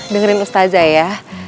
dengerin ustazah ya